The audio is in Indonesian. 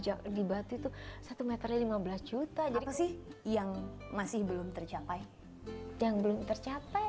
jauh di batu itu satu meternya lima belas juta jadi sih yang masih belum tercapai yang belum tercapai